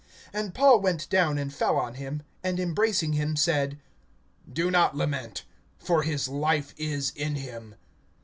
(10)And Paul went down, and fell on him, and embracing him said: Do not lament, for his life is in him.